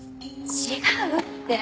違うって。